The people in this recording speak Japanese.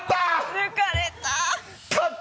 抜かれた！